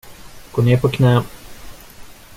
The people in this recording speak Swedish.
Gå ner på knä.